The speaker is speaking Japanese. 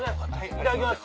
いただきます